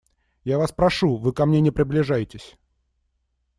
Я вас прошу, вы ко мне не приближайтесь.